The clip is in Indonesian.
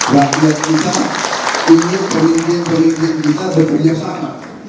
rakyat kita ingin pemimpin pemimpin kita bekerja sama